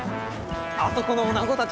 あそこのおなごたち